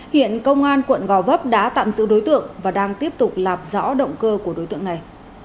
hiện công an quận gò vấp đã tạm giữ đối tượng và đang tiếp tục lạp dõi động cơ của đối tượng này